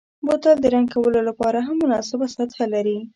بوتل د رنګ کولو لپاره هم مناسبه سطحه لري.